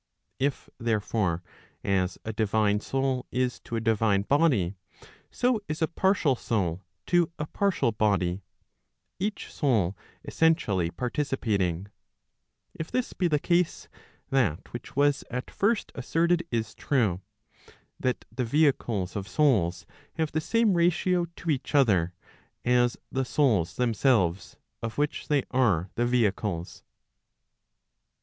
If, therefore, as a divine soul is to a divine body, so is a partial soul to a partial body, each soul essentially participating,—if this be the case, that which was at first asserted is true, that the vehicles of souls have the same ratio to each other, as the souls themselves of which they are the vehicles.